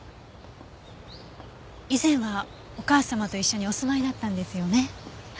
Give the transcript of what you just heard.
以前はお母様と一緒にお住まいだったんですよね？